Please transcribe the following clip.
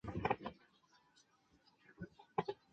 有电解法及还原法两种方式。